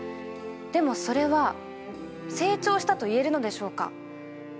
でもそれは成長したといえるのでしょうか？